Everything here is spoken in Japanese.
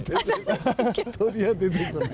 鳥は出てこない。